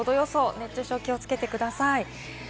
熱中症に気をつけてください。